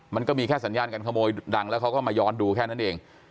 มันก็มีแค่สัญญาการขโมยดังแล้วเขาก็มาย้อนดูแค่นั้นเอง